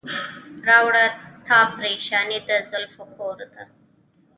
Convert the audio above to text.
راوړه تا پریشاني د زلفو کور ته.